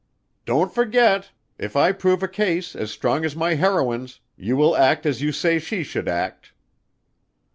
"Don't forget! If I prove a case as strong as my heroine's you will act as you say she should act."